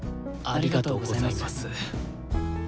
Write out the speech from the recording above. ありがとうございます。